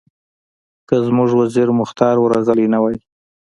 که زموږ وزیر مختار ورغلی نه وای.